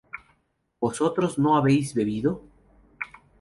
¿vosotros no habéis bebido?